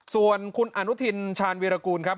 ส่วนคุณอนุทินชาญวีรกูลครับ